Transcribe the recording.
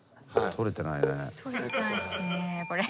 とれてないっすねこれ。